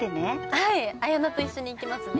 はい彩菜と一緒に行きますね。